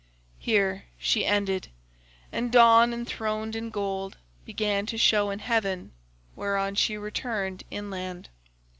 "Here she ended, and dawn enthroned in gold began to show in heaven, whereon she returned inland.